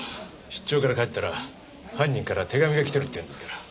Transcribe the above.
出張から帰ったら犯人から手紙が来てるっていうんですから。